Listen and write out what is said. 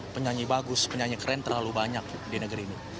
penyanyi bagus penyanyi keren terlalu banyak di negeri ini